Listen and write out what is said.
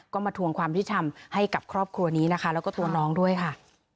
ก็มาทวงความยุติธรรมให้กับครอบครัวนี้นะคะแล้วก็ตัวน้องด้วยค่ะ